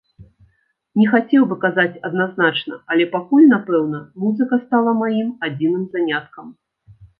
Не хацеў бы казаць адназначна, але пакуль, напэўна, музыка стала маім адзіным заняткам.